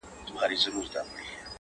ما دي مخي ته کتلای!!